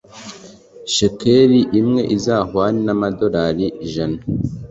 shekeli imwe izahwane n’amadorali ijana